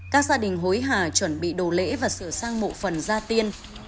các gia đình hối hà chuẩn bị đồ lễ và sửa sang mộ phần gia tiên